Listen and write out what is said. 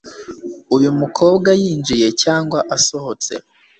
uyu mukobwa yinjiye cyangwa asohotse